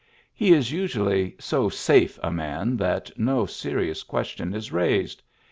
He is usually so '' safe ^' a man that no serious question is raised.